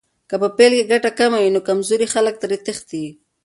که په پیل کې ګټه کمه وي، نو کمزوري خلک ترې تښتي.